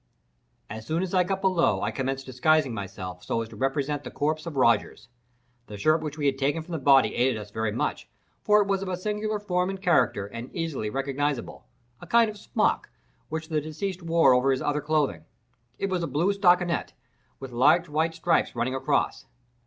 As soon as I got below I commenced disguising myself so as to represent the corpse of Rogers. The shirt which we had taken from the body aided us very much, for it was of singular form and character, and easily recognizable—a kind of smock, which the deceased wore over his other clothing. It was a blue stockinett, with large white stripes running across.